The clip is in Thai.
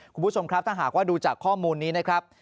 คุณผู้ชมครับถ้าหากว่าดูจากข้อมูลนี้นะครับ